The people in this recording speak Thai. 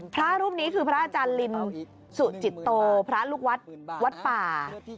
พระรูปนี้คือพระอาจารย์ลินสุจิตโตพระลูกวัดวัดป่า